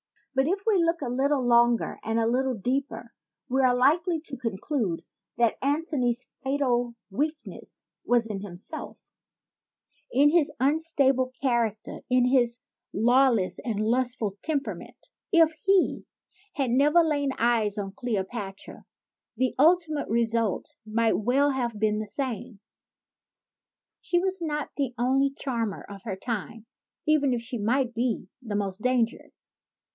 But if we look a little longer and a little deeper, we are likely to conclude that Antony's fatal weakness was in 133 ON THE LENGTH OF CLEOPATRA'S NOSE himself, in his unstable character, in his lawless and lustful temperament. If he had never laid eyes on Cleopatra, the ultimate result might well have been the same. She was not the only charmer of her time, even if she might be the most dangerous.